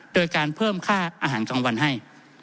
โดยการเพิ่มค่าอาหารกลางวันให้